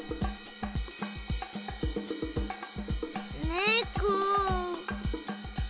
ねこ。